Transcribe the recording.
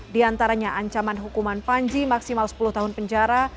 di antaranya ancaman hukuman panji maksimal sepuluh tahun penjara